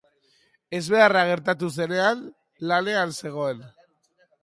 Ezbeharra gertatu zenean, lanean zegoen.